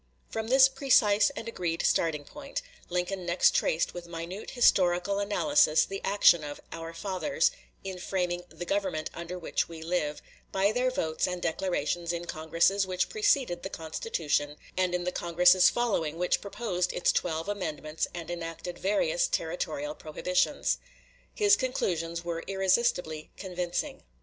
From this "precise and agreed starting point" Lincoln next traced with minute historical analysis the action of "our fathers" in framing "the government under which we live," by their votes and declarations in the Congresses which preceded the Constitution and in the Congresses following which proposed its twelve amendments and enacted various Territorial prohibitions. His conclusions were irresistibly convincing.